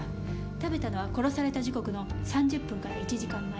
食べたのは殺された時刻の３０分から１時間前。